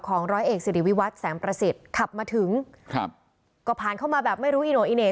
ร้อยเอกสิริวิวัตรแสงประสิทธิ์ขับมาถึงครับก็ผ่านเข้ามาแบบไม่รู้อิโนอิเน่